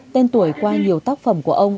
tên tuổi qua nhiều tác phẩm của ông